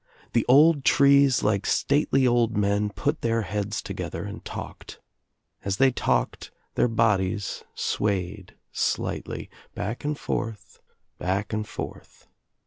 The old trees, like stately old men, put their I heads together and talked. ' As they talked their bodies swayed slightly)— back and forth, back and forth.